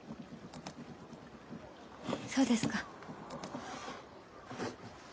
そうですか。